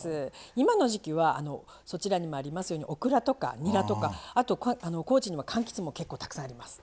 今の時季はそちらにもありますようにオクラとかニラとかあと高知にはかんきつも結構たくさんあります。